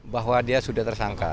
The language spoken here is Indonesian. bahwa dia sudah tersangka